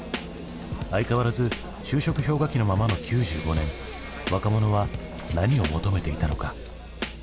相変わらず就職氷河期のままの９５年若者は何を求めていたのか？